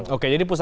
oke jadi pusat